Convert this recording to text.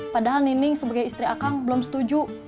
padahal nining sebagai istri akang belum setuju